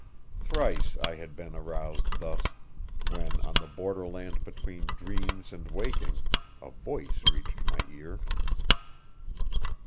Thrice I had been aroused thus, when, on the borderland between dreams and waking, a voice reached my ear.